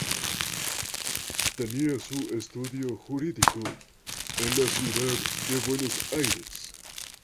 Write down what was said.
Tenía su estudio jurídico en la Ciudad de Buenos Aires.